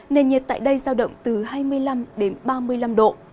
nền nhiệt tại đây giao động từ hai mươi năm đến ba mươi năm độ